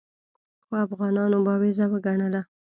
خو افغانانو بابیزه وګڼله.